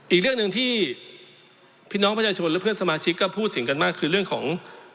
อีกเรื่องหนึ่งที่พี่น้องประชาชนและเพื่อนสมาชิกก็พูดถึงกันมากคือเรื่องของ